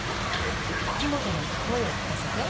木元の声を聞かせて。